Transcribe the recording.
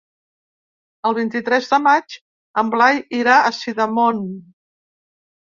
El vint-i-tres de maig en Blai irà a Sidamon.